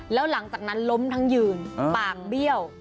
แล้วหลังจากนั้นล้มทั้งยืนปากเบี้ยว